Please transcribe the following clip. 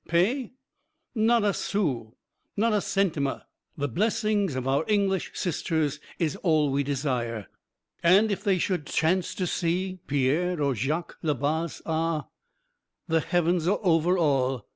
Pay? Not a sou; not a centime! The blessing of our English sisters is all we desire; and if they should chance to see Pierre or Jacques là bas ah! the heavens are over all.